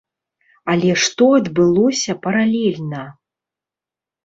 Але што адбылося паралельна?